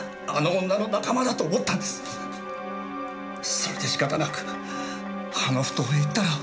それで仕方なくあの埠頭へ行ったら。